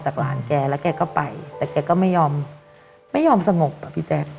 แกก็ไปแต่แกก็ไม่ยอมสงบอะพี่แจ๊ก